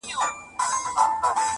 د بوډا وو یو لمسی اته کلن وو؛